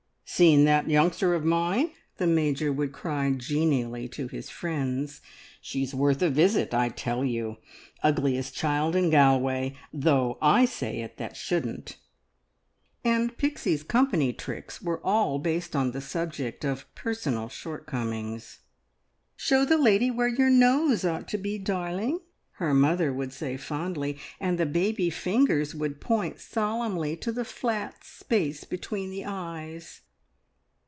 "Seen that youngster of mine?" the Major would cry genially to his friends. "She's worth a visit, I tell you! Ugliest child in Galway, though I say it that shouldn't." And Pixie's company tricks were all based on the subject of personal shortcomings. "Show the lady where your nose ought to be, darling," her mother would say fondly, and the baby fingers would point solemnly to the flat space between the eyes.